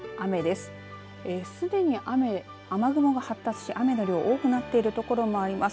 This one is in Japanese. すでに雨、雨雲が発達し雨の量が多くなっているところもあります。